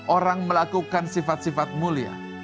orang melakukan sifat sifat mulia